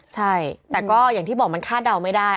ใช่แต่ก็อย่างที่บอกมันคาดเดาไม่ได้